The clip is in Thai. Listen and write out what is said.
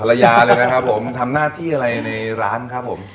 ภรรยาเลยนะครับผมทำหน้าที่อะไรในร้านครับผม